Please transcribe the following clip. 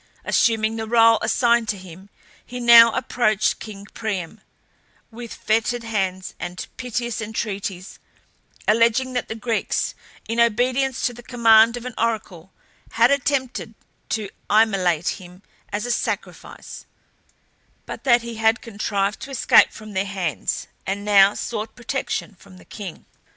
Assuming the role assigned to him, he now approached king Priam with fettered hands and piteous entreaties, alleging that the Greeks, in obedience to the command of an oracle, had attempted to immolate him as a sacrifice; but that he had contrived to escape from their hands, and now sought protection from the king.